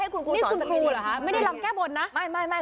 ให้คุณครูสอนสักครู่เหรอฮะไม่ได้ลำแก้บทนะไม่ไม่ไม่